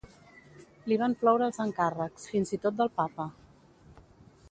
Li van ploure els encàrrecs, fins i tot del papa.